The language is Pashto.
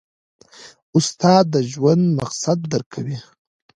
استاد د ژوند مقصد درکوي.